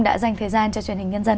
trong tiểu mộ chuyện xa xứ ngày hôm nay